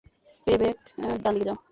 Payback, ডানদিকে যাও।